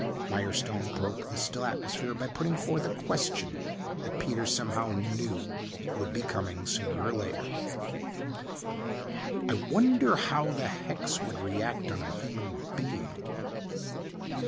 Mirestone broke the still atmosphere by putting forth a question that Peter somehow knew would be coming sooner or later. "I wonder how the hex would react on a human being?"